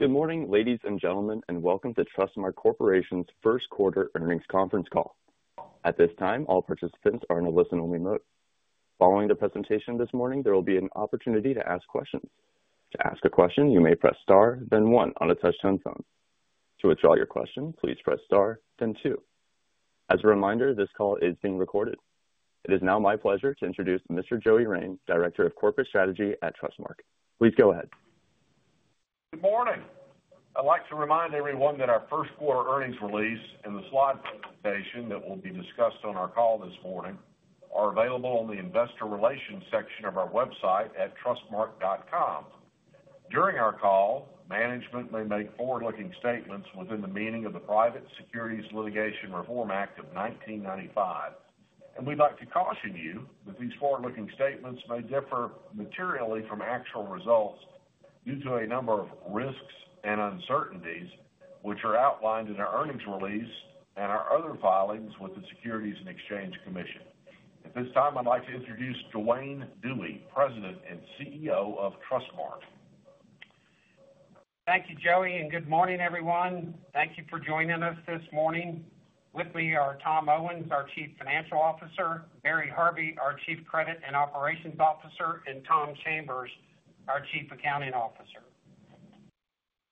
Good morning, ladies and gentlemen, and welcome to Trustmark Corporation's first quarter earnings conference call. At this time, all participants are in a listen-only mode. Following the presentation this morning, there will be an opportunity to ask questions. To ask a question, you may press star, then one on a touch-tone phone. To withdraw your question, please press star, then two. As a reminder, this call is being recorded. It is now my pleasure to introduce Mr. Joey Rein, Director of Corporate Strategy at Trustmark. Please go ahead. Good morning. I'd like to remind everyone that our first quarter earnings release and the slide presentation that will be discussed on our call this morning are available on the investor relations section of our website at trustmark.com. During our call, management may make forward-looking statements within the meaning of the Private Securities Litigation Reform Act of 1995, and we'd like to caution you that these forward-looking statements may differ materially from actual results due to a number of risks and uncertainties which are outlined in our earnings release and our other filings with the Securities and Exchange Commission. At this time, I'd like to introduce Duane Dewey, President and CEO of Trustmark. Thank you, Joey, and good morning, everyone. Thank you for joining us this morning. With me are Tom Owens, our Chief Financial Officer; Barry Harvey, our Chief Credit and Operations Officer; and Tom Chambers, our Chief Accounting Officer.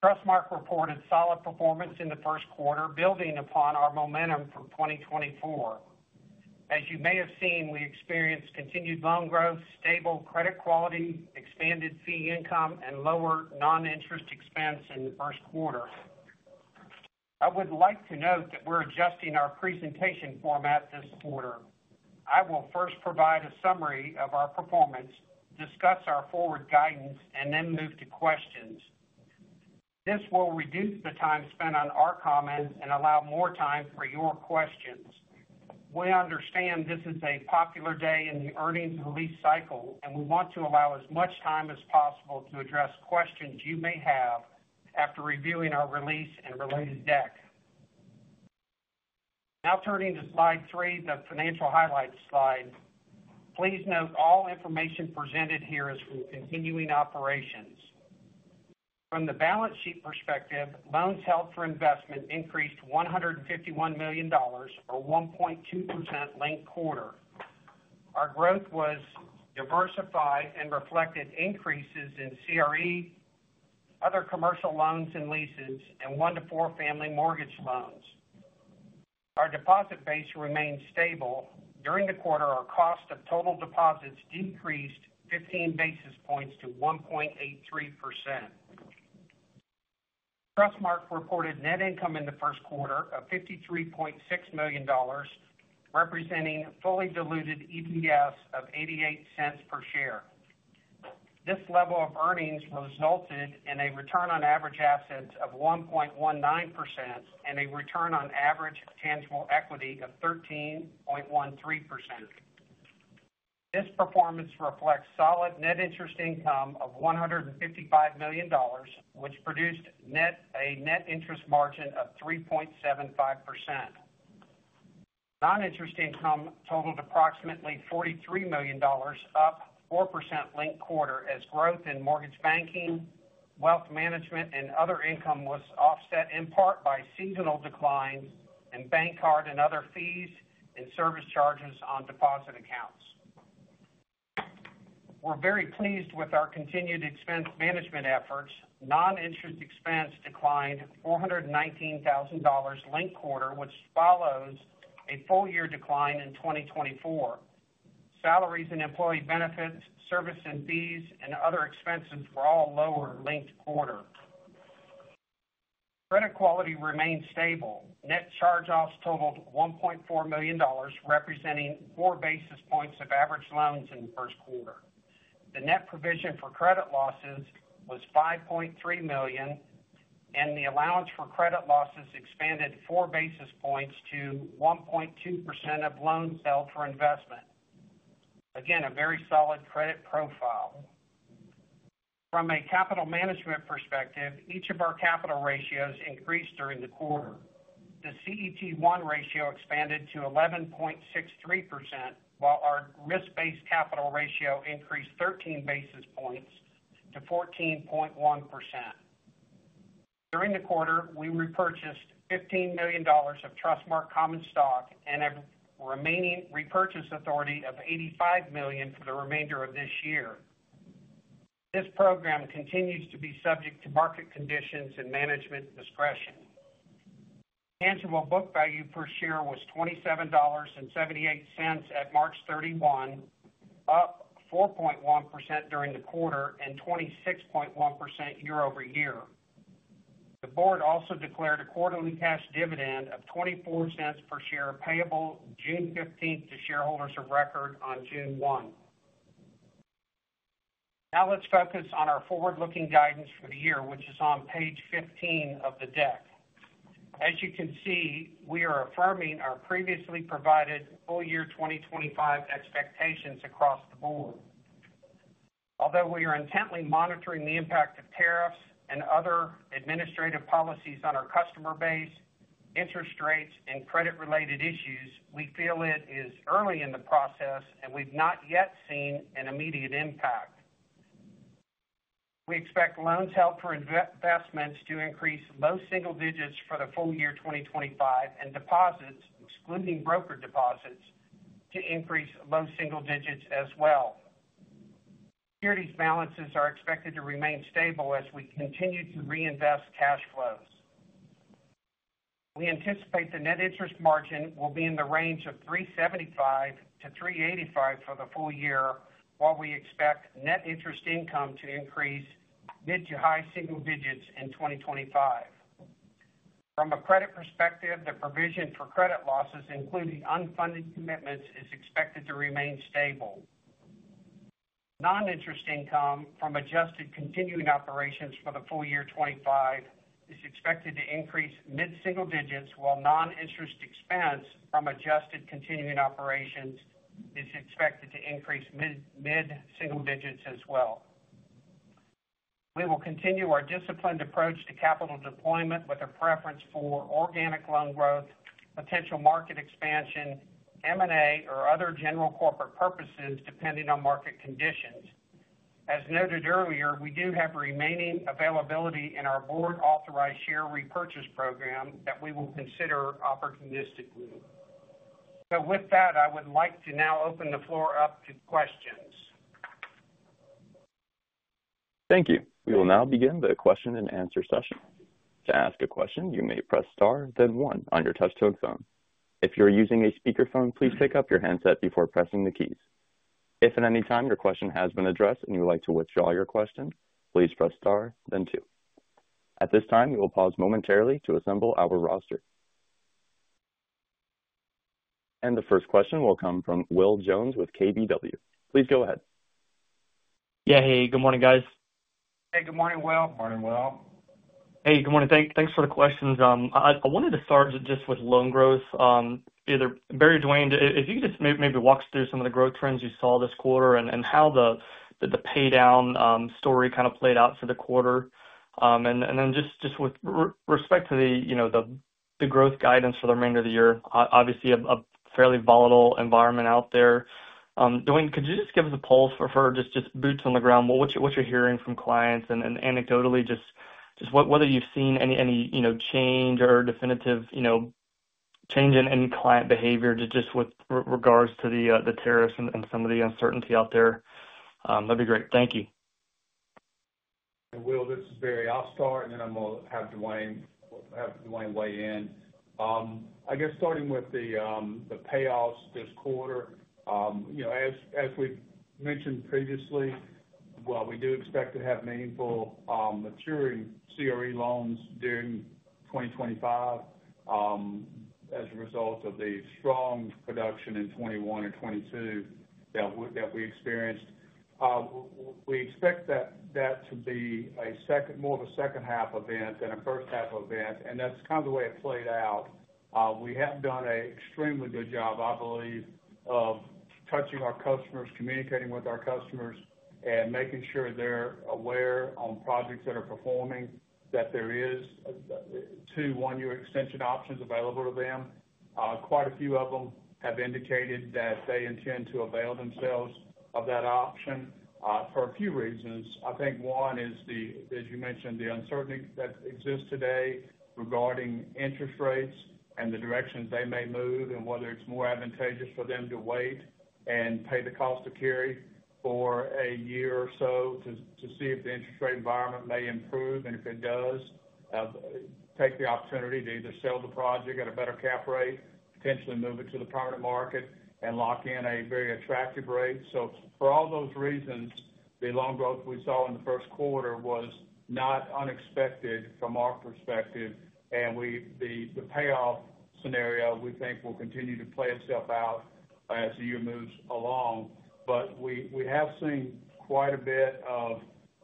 Trustmark reported solid performance in the first quarter, building upon our momentum from 2024. As you may have seen, we experienced continued loan growth, stable credit quality, expanded fee income, and lower non-interest expense in the first quarter. I would like to note that we're adjusting our presentation format this quarter. I will first provide a summary of our performance, discuss our forward guidance, and then move to questions. This will reduce the time spent on our comments and allow more time for your questions. We understand this is a popular day in the earnings release cycle, and we want to allow as much time as possible to address questions you may have after reviewing our release and related deck. Now, turning to slide three, the financial highlights slide, please note all information presented here is from continuing operations. From the balance sheet perspective, loans held for investment increased $151 million, or 1.2%, linked quarter. Our growth was diversified and reflected increases in CRE, other commercial loans and leases, and one-to-four family mortgage loans. Our deposit base remained stable. During the quarter, our cost of total deposits decreased 15 basis points to 1.83%. Trustmark reported net income in the first quarter of $53.6 million, representing fully diluted EPS of 88 cents per share. This level of earnings resulted in a return on average assets of 1.19% and a return on average tangible equity of 13.13%. This performance reflects solid net interest income of $155 million, which produced a net interest margin of 3.75%. Non-interest income totaled approximately $43 million, up 4% linked quarter, as growth in mortgage banking, wealth management, and other income was offset in part by seasonal declines in bank card and other fees and service charges on deposit accounts. We're very pleased with our continued expense management efforts. Non-interest expense declined $419,000 linked quarter, which follows a full year decline in 2024. Salaries and employee benefits, service and fees, and other expenses were all lower linked quarter. Credit quality remained stable. Net charge-offs totaled $1.4 million, representing four basis points of average loans in the first quarter. The net provision for credit losses was $5.3 million, and the allowance for credit losses expanded 4 basis points to 1.2% of loans held for investment. Again, a very solid credit profile. From a capital management perspective, each of our capital ratios increased during the quarter. The CET1 ratio expanded to 11.63%, while our risk-based capital ratio increased 13 basis points to 14.1%. During the quarter, we repurchased $15 million of Trustmark common stock and have a remaining repurchase authority of $85 million for the remainder of this year. This program continues to be subject to market conditions and management discretion. Tangible Book Value Per Share was $27.78 at March 31, up 4.1% during the quarter and 26.1% year-over-year. The Board also declared a quarterly cash dividend of $0.24 per share payable June 15th to shareholders of record on June 1. Now, let's focus on our forward-looking guidance for the year, which is on page 15 of the deck. As you can see, we are affirming our previously provided full year 2025 expectations across the board. Although we are intently monitoring the impact of tariffs and other administrative policies on our customer base, interest rates, and credit-related issues, we feel it is early in the process, and we've not yet seen an immediate impact. We expect loans held for investments to increase low single digits for the full year 2025, and deposits, excluding broker deposits, to increase low single digits as well. Securities balances are expected to remain stable as we continue to reinvest cash flows. We anticipate the net interest margin will be in the range of $375-$385 for the full year, while we expect net interest income to increase mid to high single digits in 2025. From a credit perspective, the provision for credit losses, including unfunded commitments, is expected to remain stable. Non-interest income from adjusted continuing operations for the full year 2025 is expected to increase mid single digits, while non-interest expense from adjusted continuing operations is expected to increase mid single digits as well. We will continue our disciplined approach to capital deployment with a preference for organic loan growth, potential market expansion, M&A, or other general corporate purposes depending on market conditions. As noted earlier, we do have remaining availability in our board-authorized share repurchase program that we will consider opportunistically. I would like to now open the floor up to questions. Thank you. We will now begin the question-and-answer session. To ask a question, you may press star, then one on your touchtone phone. If you're using a speakerphone, please pick up your handset before pressing the keys. If at any time your question has been addressed and you'd like to withdraw your question, please press star, then two. At this time, we will pause momentarily to assemble our roster. The first question will come from Will Jones with KBW. Please go ahead. Yeah. Hey, good morning, guys. Hey, good morning, Will. Morning, Will. Hey, good morning. Thanks for the questions. I wanted to start just with loan growth. Either Barry or Duane, if you could just maybe walk us through some of the growth trends you saw this quarter and how the paydown story kind of played out for the quarter. Then just with respect to the growth guidance for the remainder of the year, obviously a fairly volatile environment out there. Duane, could you just give us a pulse for just boots on the ground, what you're hearing from clients, and anecdotally just whether you've seen any change or definitive change in client behavior just with regards to the tariffs and some of the uncertainty out there? That'd be great. Thank you. Will, this is Barry. I'll start, and then I'm going to have Duane weigh in. I guess starting with the payoffs this quarter, as we've mentioned previously, while we do expect to have meaningful maturing CRE loans during 2025 as a result of the strong production in 2021 and 2022 that we experienced, we expect that to be more of a second-half event than a first-half event. That's kind of the way it played out. We have done an extremely good job, I believe, of touching our customers, communicating with our customers, and making sure they're aware on projects that are performing, that there are two one-year extension options available to them. Quite a few of them have indicated that they intend to avail themselves of that option for a few reasons. I think one is, as you mentioned, the uncertainty that exists today regarding interest rates and the directions they may move, and whether it's more advantageous for them to wait and pay the cost of carry for a year or so to see if the interest rate environment may improve. If it does, take the opportunity to either sell the project at a better cap rate, potentially move it to the permanent market, and lock in a very attractive rate. For all those reasons, the loan growth we saw in the first quarter was not unexpected from our perspective. The payoff scenario, we think, will continue to play itself out as the year moves along. We have seen quite a bit of,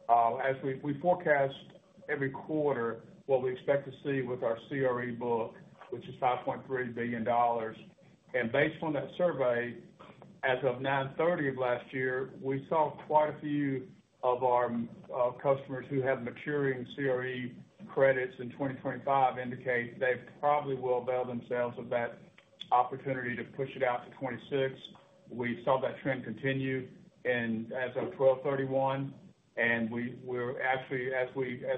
as we forecast every quarter, what we expect to see with our CRE book, which is $5.3 billion. Based on that survey, as of 9/30 of last year, we saw quite a few of our customers who have maturing CRE credits in 2025 indicate they probably will avail themselves of that opportunity to push it out to 2026. We saw that trend continue as of 12/31. Actually, as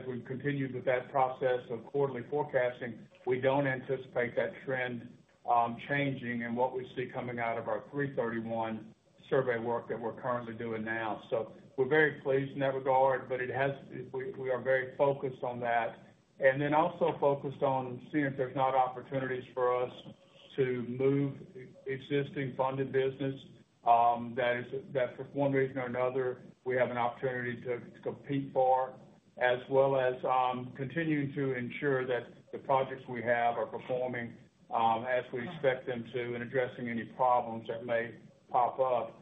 we continue with that process of quarterly forecasting, we do not anticipate that trend changing in what we see coming out of our 3/31 survey work that we are currently doing now. We are very pleased in that regard, but we are very focused on that. We are also focused on seeing if there are opportunities for us to move existing funded business that, for one reason or another, we have an opportunity to compete for, as well as continuing to ensure that the projects we have are performing as we expect them to and addressing any problems that may pop up.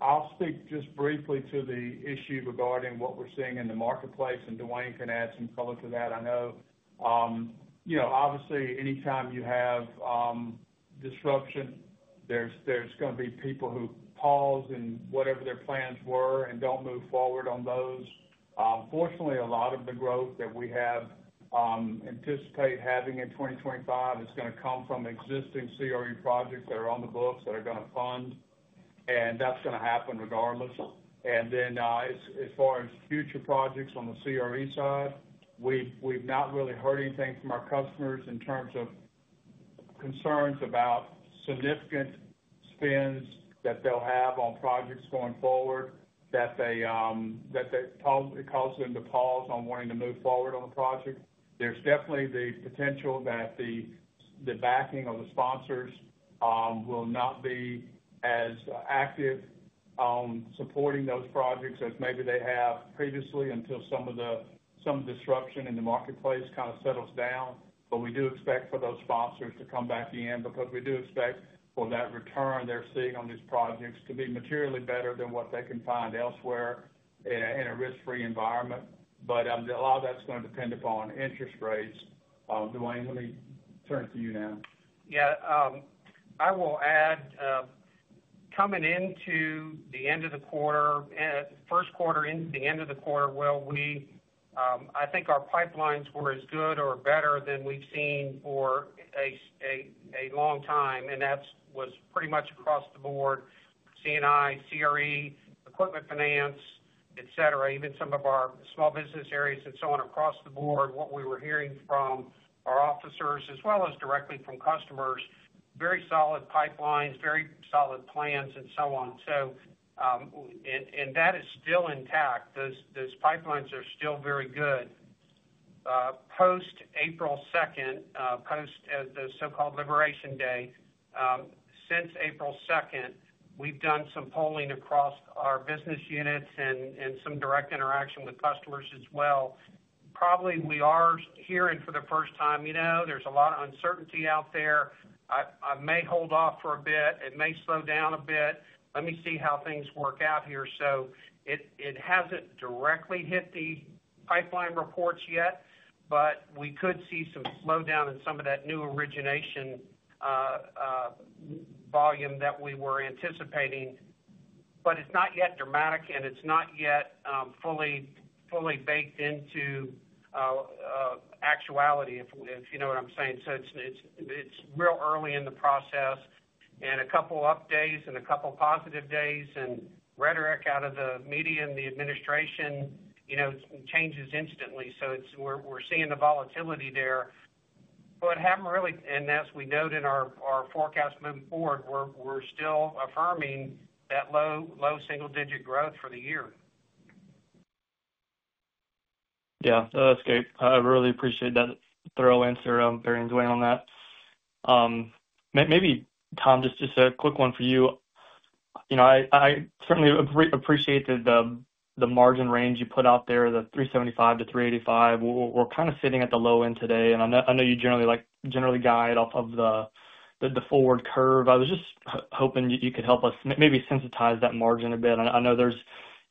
I will speak just briefly to the issue regarding what we are seeing in the marketplace, and Duane can add some color to that. I know, obviously, anytime you have disruption, there are going to be people who pause in whatever their plans were and do not move forward on those. Fortunately, a lot of the growth that we anticipate having in 2025 is going to come from existing CRE projects that are on the books that are going to fund, and that is going to happen regardless. As far as future projects on the CRE side, we've not really heard anything from our customers in terms of concerns about significant spins that they'll have on projects going forward that cause them to pause on wanting to move forward on the project. There's definitely the potential that the backing of the sponsors will not be as active supporting those projects as maybe they have previously until some disruption in the marketplace kind of settles down. We do expect for those sponsors to come back in because we do expect for that return they're seeing on these projects to be materially better than what they can find elsewhere in a risk-free environment. A lot of that's going to depend upon interest rates. Duane, let me turn it to you now. Yeah. I will add, coming into the end of the quarter, first quarter into the end of the quarter, Will, I think our pipelines were as good or better than we've seen for a long time. That was pretty much across the board: C&I, CRE, equipment finance, etc., even some of our small business areas and so on across the board, what we were hearing from our officers as well as directly from customers, very solid pipelines, very solid plans, and so on. That is still intact. Those pipelines are still very good. Post April 2nd, post the so-called liberation day, since April 2nd, we've done some polling across our business units and some direct interaction with customers as well. Probably we are hearing for the first time, "There's a lot of uncertainty out there. I may hold off for a bit. It may slow down a bit. Let me see how things work out here. It has not directly hit the pipeline reports yet, but we could see some slowdown in some of that new origination volume that we were anticipating. It is not yet dramatic, and it is not yet fully baked into actuality, if you know what I'm saying. It is real early in the process. A couple of updates and a couple of positive days and rhetoric out of the media and the administration changes instantly. We are seeing the volatility there. We have not really, and as we note in our forecast moving forward, we are still affirming that low single-digit growth for the year. Yeah. No, that's great. I really appreciate that thorough answer, Barry and Duane on that. Maybe, Tom, just a quick one for you. I certainly appreciate the margin range you put out there, the 375-385. We're kind of sitting at the low end today. I know you generally guide off of the forward curve. I was just hoping you could help us maybe sensitize that margin a bit. I know there's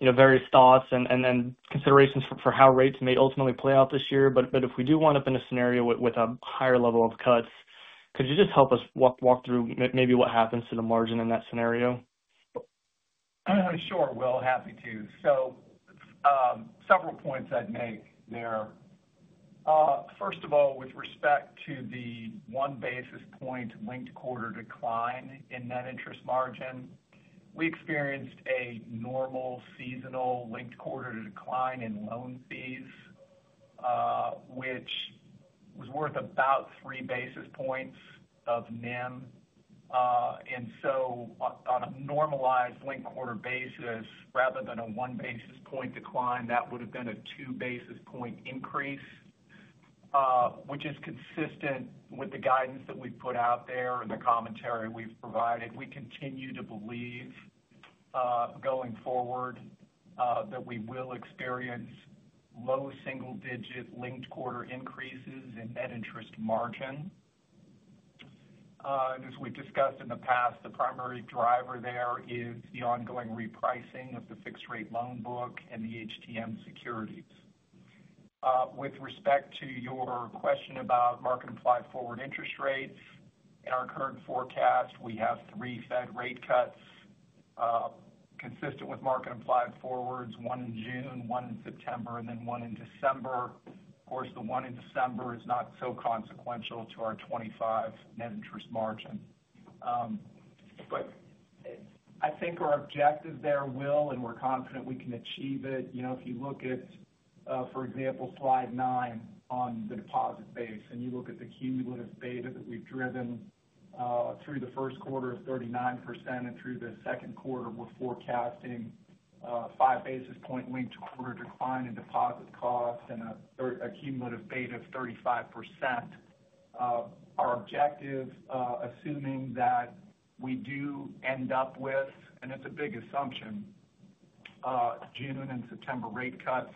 various thoughts and considerations for how rates may ultimately play out this year. If we do wind up in a scenario with a higher level of cuts, could you just help us walk through maybe what happens to the margin in that scenario? Sure. Will, happy to. Several points I'd make there. First of all, with respect to the 1 basis point linked quarter decline in net interest margin, we experienced a normal seasonal linked quarter decline in loan fees, which was worth about 3 basis points of NIM. On a normalized linked quarter basis, rather than a 1 basis point decline, that would have been a 2 basis point increase, which is consistent with the guidance that we've put out there and the commentary we've provided. We continue to believe going forward that we will experience low single-digit linked quarter increases in net interest margin. As we've discussed in the past, the primary driver there is the ongoing repricing of the fixed-rate loan book and the HTM securities. With respect to your question about market-implied forward interest rates, in our current forecast, we have three Fed rate cuts consistent with market-implied forwards, one in June, one in September, and then one in December. Of course, the one in December is not so consequential to our 2025 net interest margin. I think our objective there, Will, and we're confident we can achieve it. If you look at, for example, slide nine on the deposit base, and you look at the cumulative beta that we've driven through the first quarter of 39%, and through the second quarter, we're forecasting 5 basis points linked quarter decline in deposit cost and a cumulative beta of 35%. Our objective, assuming that we do end up with, and it's a big assumption, June and September rate cuts,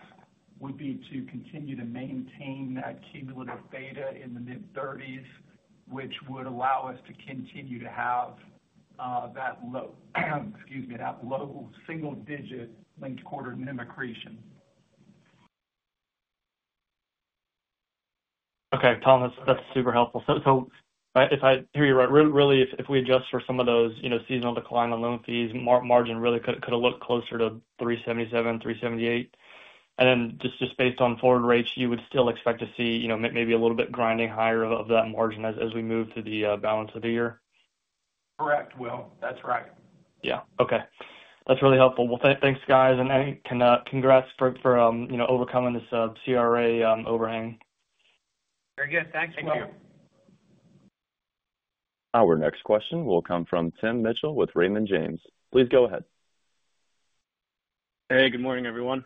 would be to continue to maintain that cumulative beta in the mid-30s, which would allow us to continue to have that low single-digit linked quarter NIM accretion. Okay. Tom, that's super helpful. If I hear you right, really, if we adjust for some of those seasonal decline in loan fees, margin really could have looked closer to 377, 378. And then just based on forward rates, you would still expect to see maybe a little bit grinding higher of that margin as we move to the balance of the year? Correct, Will. That's right. Yeah. Okay. That's really helpful. Thanks, guys. And congrats for overcoming this CRA overhang. Very good. Thanks, Will. Our next question will come from Tim Mitchell with Raymond James. Please go ahead. Hey, good morning, everyone.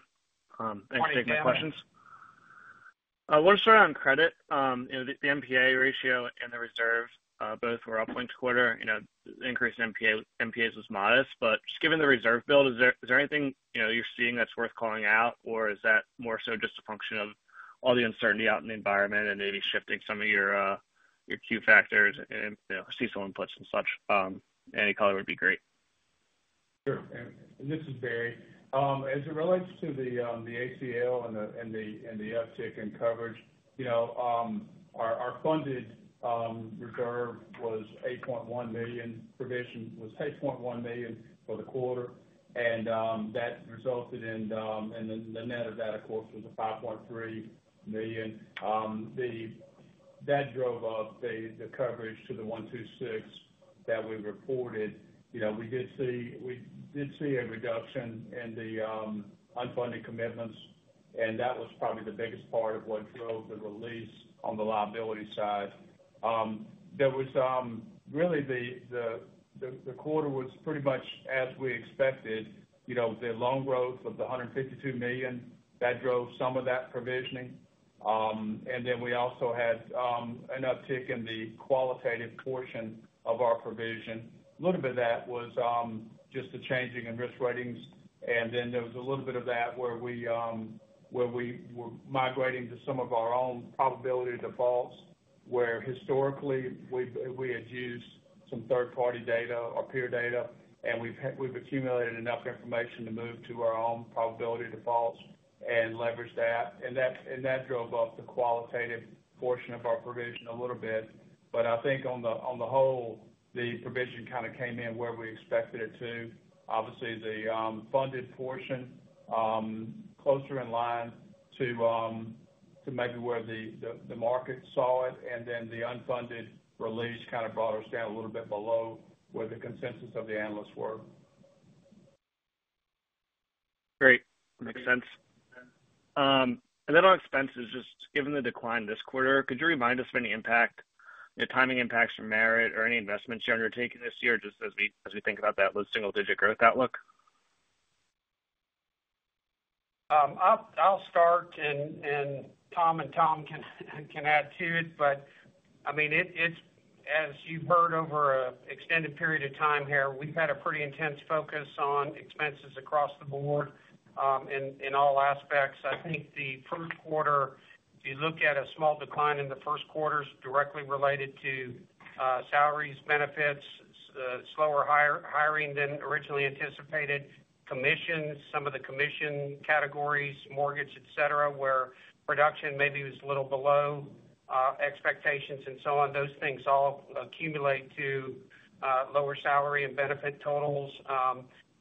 Thanks for taking my questions. I want to start on credit. The NPA ratio and the reserve both were up linked quarter. Increase in NPAs was modest. Just given the reserve build, is there anything you're seeing that's worth calling out, or is that more so just a function of all the uncertainty out in the environment and maybe shifting some of your key factors and seasonal inputs and such? Any color would be great. Sure. This is Barry. As it relates to the ACL and the uptick in coverage, our funded reserve was $8.1 million. Provision was $8.1 million for the quarter. That resulted in, and the net of that, of course, was $5.3 million. That drove up the coverage to the 126 that we reported. We did see a reduction in the unfunded commitments, and that was probably the biggest part of what drove the release on the liability side. Really, the quarter was pretty much as we expected. The loan growth of the $152 million, that drove some of that provisioning. We also had an uptick in the qualitative portion of our provision. A little bit of that was just the changing in risk ratings. There was a little bit of that where we were migrating to some of our own probability defaults, where historically we had used some third-party data or peer data, and we have accumulated enough information to move to our own probability defaults and leverage that. That drove up the qualitative portion of our provision a little bit. I think on the whole, the provision kind of came in where we expected it to. Obviously, the funded portion was closer in line to maybe where the market saw it. The unfunded release kind of brought us down a little bit below where the consensus of the analysts were. Great. Makes sense. Then on expenses, just given the decline this quarter, could you remind us of any impact, timing impacts from merit or any investments you're undertaking this year, just as we think about that single-digit growth outlook? I'll start, and Tom and Tom can add to it. I mean, as you've heard over an extended period of time here, we've had a pretty intense focus on expenses across the board in all aspects. I think the first quarter, if you look at a small decline in the first quarter, is directly related to salaries, benefits, slower hiring than originally anticipated, commissions, some of the commission categories, mortgage, etc., where production maybe was a little below expectations and so on. Those things all accumulate to lower salary and benefit totals.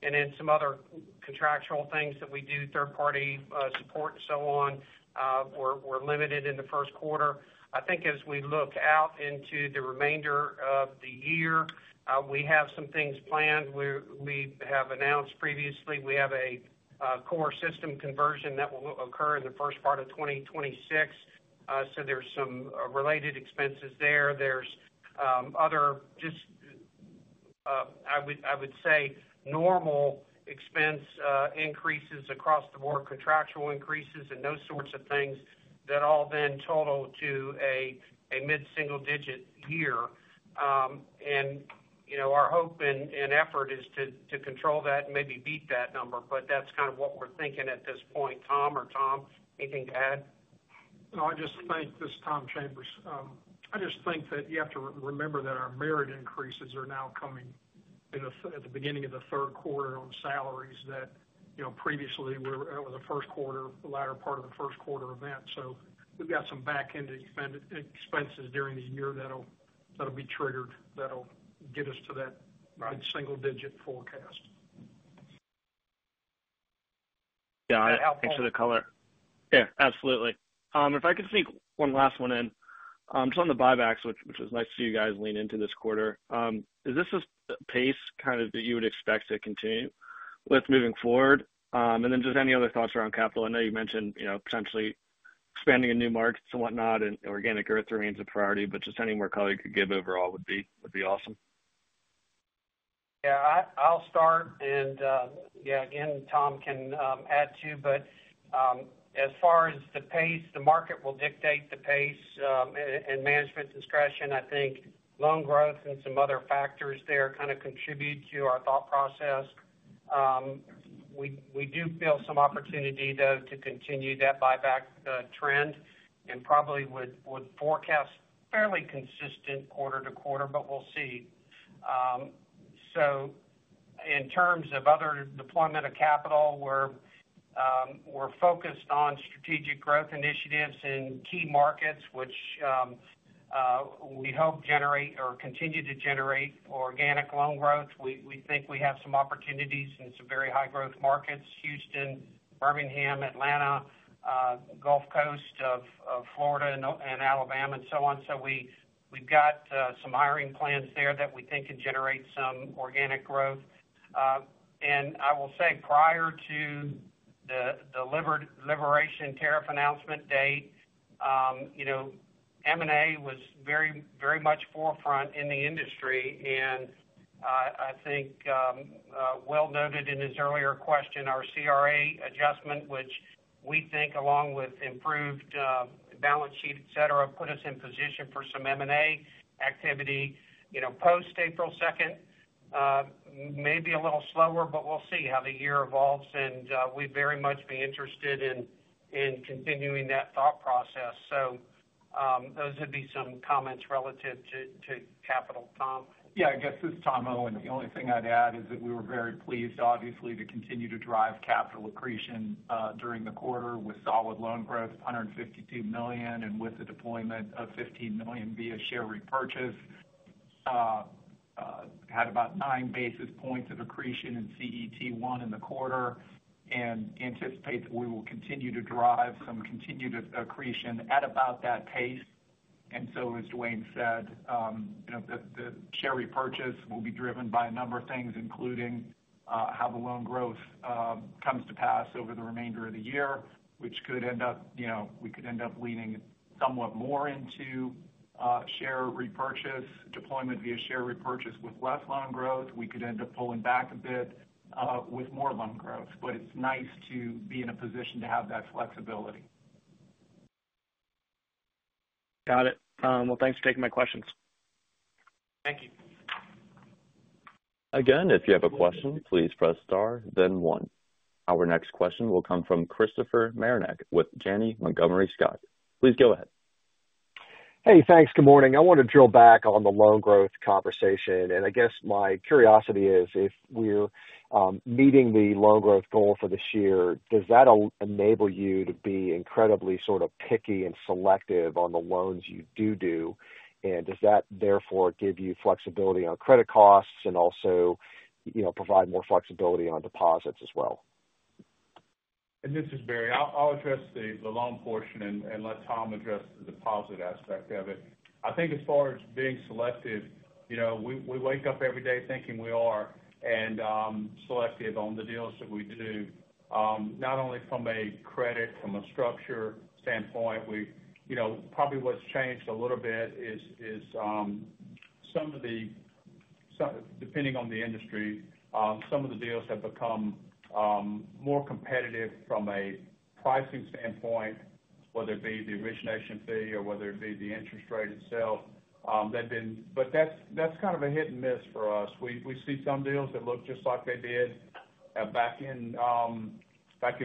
Then some other contractual things that we do, third-party support and so on, were limited in the first quarter. I think as we look out into the remainder of the year, we have some things planned. We have announced previously we have a core system conversion that will occur in the first part of 2026. There are some related expenses there. There are other just, I would say, normal expense increases across the board, contractual increases, and those sorts of things that all then total to a mid-single-digit year. Our hope and effort is to control that and maybe beat that number. That is kind of what we are thinking at this point. Tom or Tom, anything to add? No, I just think this is Tom Chambers. I just think that you have to remember that our merit increases are now coming at the beginning of the third quarter on salaries that previously were the first quarter, the latter part of the first quarter event. We have some back-end expenses during the year that'll be triggered that'll get us to that single-digit forecast. Yeah. Thanks for the color. Yeah. Absolutely. If I could sneak one last one in, just on the buybacks, which was nice to see you guys lean into this quarter, is this a pace kind of that you would expect to continue with moving forward? Just any other thoughts around capital? I know you mentioned potentially expanding in new markets and whatnot, and organic growth remains a priority, but just any more color you could give overall would be awesome. Yeah. I'll start. Yeah, again, Tom can add to. As far as the pace, the market will dictate the pace and management discretion. I think loan growth and some other factors there kind of contribute to our thought process. We do feel some opportunity, though, to continue that buyback trend and probably would forecast fairly consistent quarter to quarter, but we'll see. In terms of other deployment of capital, we're focused on strategic growth initiatives in key markets, which we hope generate or continue to generate organic loan growth. We think we have some opportunities in some very high-growth markets: Houston, Birmingham, Atlanta, Gulf Coast of Florida, and Alabama, and so on. We've got some hiring plans there that we think can generate some organic growth. I will say prior to the liberation tariff announcement date, M&A was very, very much forefront in the industry. I think Will noted in his earlier question, our CRA adjustment, which we think, along with improved balance sheet, etc., put us in position for some M&A activity post-April 2nd, maybe a little slower, but we'll see how the year evolves. We'd very much be interested in continuing that thought process. Those would be some comments relative to capital, Tom. Yeah. I guess this is Tom Owens. The only thing I'd add is that we were very pleased, obviously, to continue to drive capital accretion during the quarter with solid loan growth, $152 million, and with the deployment of $15 million via share repurchase. Had about 9 basis points of accretion in CET1 in the quarter and anticipate that we will continue to drive some continued accretion at about that pace. As Duane said, the share repurchase will be driven by a number of things, including how the loan growth comes to pass over the remainder of the year, which could end up we could end up leaning somewhat more into share repurchase, deployment via share repurchase with less loan growth. We could end up pulling back a bit with more loan growth. It is nice to be in a position to have that flexibility. Got it. Thanks for taking my questions. Thank you. Again, if you have a question, please press star, then one. Our next question will come from Christopher Marinac with Janney Montgomery Scott. Please go ahead. Hey, thanks. Good morning. I want to drill back on the loan growth conversation. I guess my curiosity is, if we're meeting the loan growth goal for this year, does that enable you to be incredibly sort of picky and selective on the loans you do do? Does that therefore give you flexibility on credit costs and also provide more flexibility on deposits as well? This is Barry. I'll address the loan portion and let Tom address the deposit aspect of it. I think as far as being selective, we wake up every day thinking we are and selective on the deals that we do, not only from a credit, from a structure standpoint. Probably what's changed a little bit is some of the, depending on the industry, some of the deals have become more competitive from a pricing standpoint, whether it be the origination fee or whether it be the interest rate itself. That's kind of a hit and miss for us. We see some deals that look just like they did back in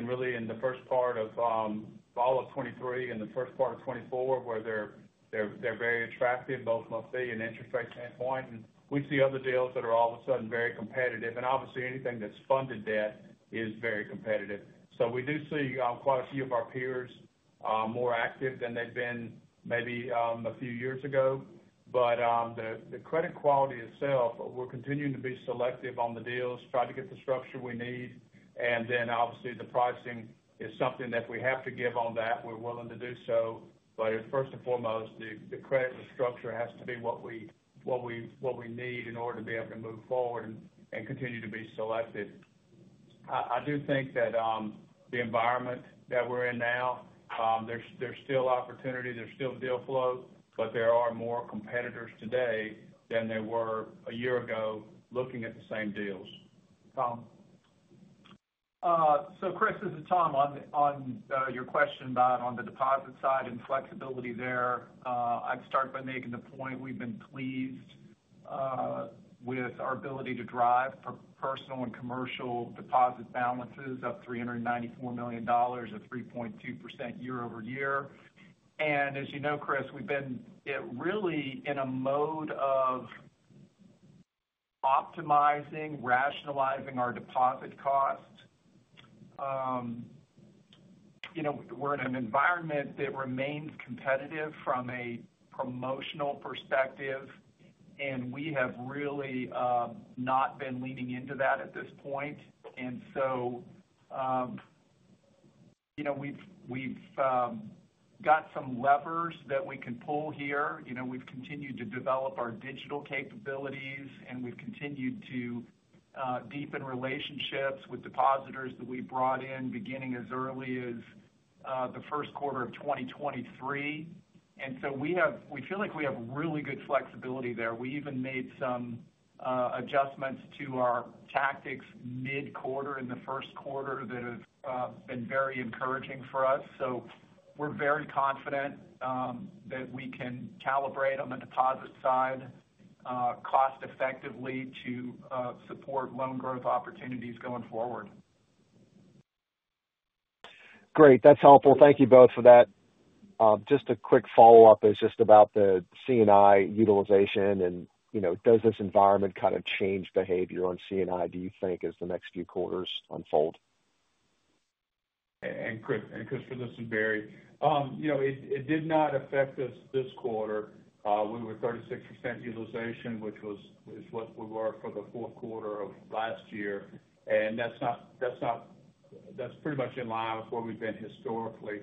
really in the first part of fall of 2023 and the first part of 2024, where they're very attractive, both from a fee and interest rate standpoint. We see other deals that are all of a sudden very competitive. Obviously, anything that's funded debt is very competitive. We do see quite a few of our peers more active than they've been maybe a few years ago. The credit quality itself, we're continuing to be selective on the deals, try to get the structure we need. Obviously, the pricing is something that we have to give on that. We're willing to do so. First and foremost, the credit and the structure has to be what we need in order to be able to move forward and continue to be selective. I do think that the environment that we're in now, there's still opportunity, there's still deal flow, but there are more competitors today than there were a year ago looking at the same deals. Tom. Chris, this is Tom. On your question about on the deposit side and flexibility there, I'd start by making the point we've been pleased with our ability to drive personal and commercial deposit balances of $394 million, a 3.2% year-over-year. As you know, Chris, we've been really in a mode of optimizing, rationalizing our deposit costs. We're in an environment that remains competitive from a promotional perspective, and we have really not been leaning into that at this point. We have some levers that we can pull here. We've continued to develop our digital capabilities, and we've continued to deepen relationships with depositors that we brought in beginning as early as the first quarter of 2023. We feel like we have really good flexibility there. We even made some adjustments to our tactics mid-quarter in the first quarter that have been very encouraging for us. We are very confident that we can calibrate on the deposit side cost-effectively to support loan growth opportunities going forward. Great. That's helpful. Thank you both for that. Just a quick follow-up is just about the C&I utilization. Does this environment kind of change behavior on C&I, do you think, as the next few quarters unfold? Christopher, this is Barry. It did not affect us this quarter. We were 36% utilization, which was what we were for the fourth quarter of last year. That is pretty much in line with where we have been historically.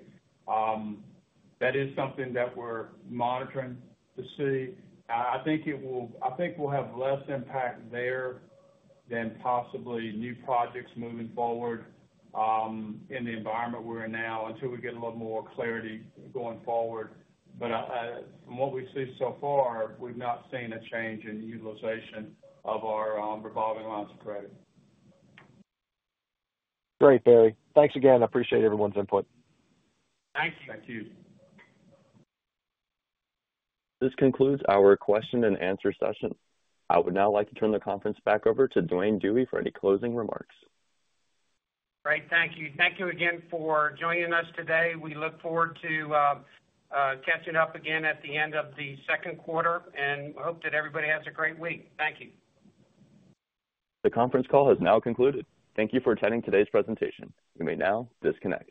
That is something that we are monitoring to see. I think we will have less impact there than possibly new projects moving forward in the environment we are in now until we get a little more clarity going forward. From what we see so far, we have not seen a change in the utilization of our revolving lines of credit. Great, Barry. Thanks again. I appreciate everyone's input. Thank you. This concludes our question-and-answer session. I would now like to turn the conference back over to Duane Dewey for any closing remarks. Great. Thank you. Thank you again for joining us today. We look forward to catching up again at the end of the second quarter, and I hope that everybody has a great week. Thank you. The conference call has now concluded. Thank you for attending today's presentation. You may now disconnect.